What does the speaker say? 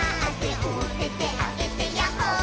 「おててあげてヤッホー」